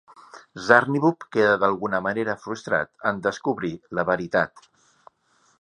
Zarniwoop queda d'alguna manera frustrat en descobrir la veritat.